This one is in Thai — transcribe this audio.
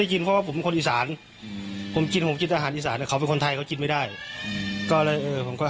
เพราะวันนี้เขาก็ไม่ได้ทำงานไปเลยครับไม่ได้ทำงานครับ